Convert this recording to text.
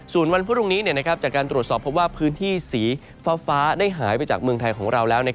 ส่วนวันพรุ่งนี้จากการตรวจสอบพบว่าพื้นที่สีฟ้าได้หายไปจากเมืองไทยของเราแล้ว